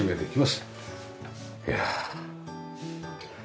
いや。